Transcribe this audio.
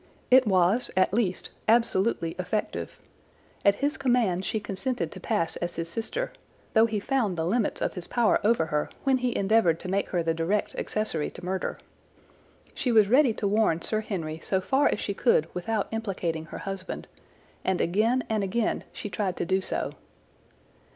It was, at least, absolutely effective. At his command she consented to pass as his sister, though he found the limits of his power over her when he endeavoured to make her the direct accessory to murder. She was ready to warn Sir Henry so far as she could without implicating her husband, and again and again she tried to do so.